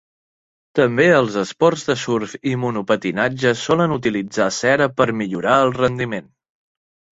També els esports de surf i monopatinatge solen utilitzar cera per millorar el rendiment..